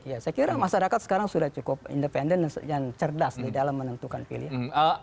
ya saya kira masyarakat sekarang sudah cukup independen dan cerdas di dalam menentukan pilihan